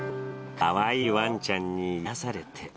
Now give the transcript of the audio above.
かわいいワンちゃんに癒やされて。